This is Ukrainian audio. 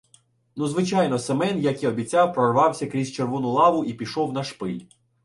Ну, звичайно, Семен, як і обіцяв, прорвався крізь червону лаву і пішов на шпиль.